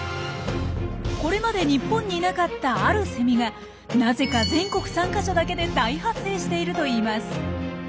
これまで日本にいなかったあるセミがなぜか全国３か所だけで大発生しているといいます。